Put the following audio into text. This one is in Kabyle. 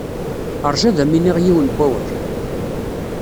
Ṛju ad am-iniɣ yiwen n wawal.